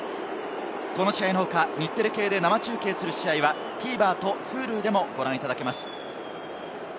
この試合の他、日テレ系で生中継する試合は、ＴＶｅｒとＨｕｌｕでもご覧いただけます。